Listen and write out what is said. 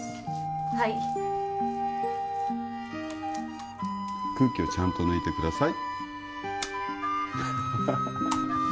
はい空気をちゃんと抜いてください